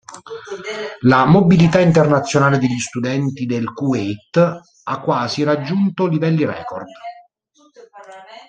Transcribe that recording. La mobilità internazionale degli studenti del Kuwait ha quasi raggiunto livelli record.